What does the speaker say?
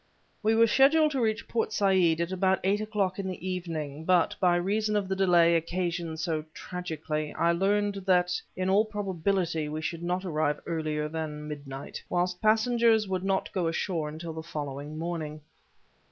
We were scheduled to reach Port Said at about eight o'clock in the evening, but by reason of the delay occasioned so tragically, I learned that in all probability we should not arrive earlier than midnight, whilst passengers would not go ashore until the following morning.